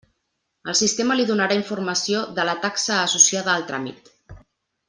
El sistema li donarà informació de la taxa associada al tràmit.